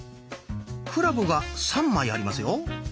クラブが３枚ありますよ。